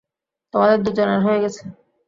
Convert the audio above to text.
তোমাদের দুজনের হয়ে গেছে?